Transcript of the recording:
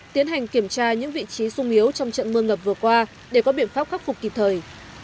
tiến hành kiểm tra những vị trí sung yếu trong trận mưa ngập vừa qua để có biện pháp khắc phục kịp thời